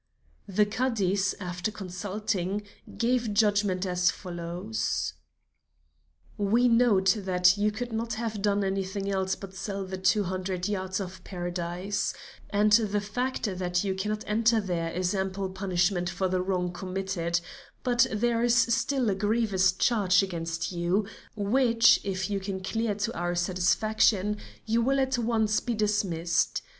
The Cadis, after consulting, gave judgment as follows: "We note that you could not have done anything else but sell the two hundred yards of Paradise, and the fact that you cannot enter there is ample punishment for the wrong committed; but there is still a grievous charge against you, which, if you can clear to our satisfaction, you will at once be dismissed.